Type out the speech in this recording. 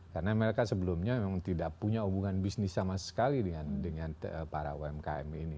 karena mereka sebelumnya memang tidak punya hubungan bisnis sama sekali dengan para umkm ini